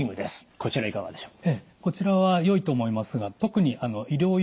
こちらいかがでしょう？